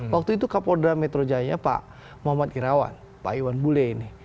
waktu itu kapolda metro jaya nya pak muhammad girawan pak iwan bule ini